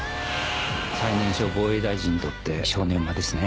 「最年少防衛大臣にとって正念場ですね」